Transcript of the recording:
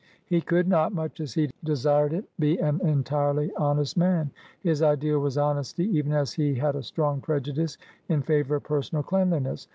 He could not, much as he desired it, be an entirely honest man. His ideal was honesty, even as he had a strong prejudice in favour of personal cleanliness.